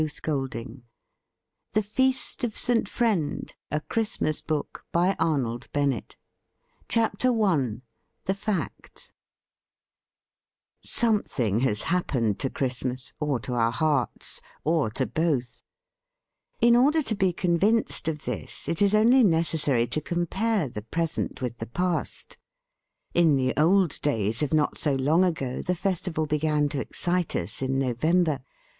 On the Last Day of the Yeae 109 CHAPTER ONE THE FACT THE FEAST OF ST FRIEND ONE THE FACT SOMETHING has happened to Christmas, or to our hearts ; or to both. In order to be convinced of this it is only necessary to compare the present with the past. In the old days of not so long ago the festival began to excite us in November.